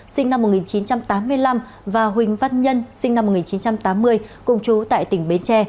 sinh năm một nghìn chín trăm tám mươi năm và huỳnh văn nhân sinh năm một nghìn chín trăm tám mươi cùng chú tại tỉnh bến tre